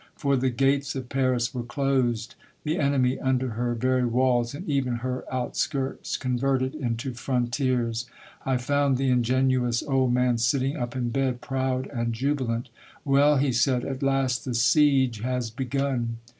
For the gates of Paris were closed, the enemy under her very walls, and even her out skirts converted into frontiers. I found the in genuous old man sitting up in bed, proud and jubilant. "' Well,' he said, * at last the siege has begun